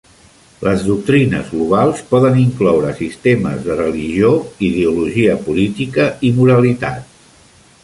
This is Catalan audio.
Les doctrines globals poden incloure sistemes de religió, ideologia política i moralitat.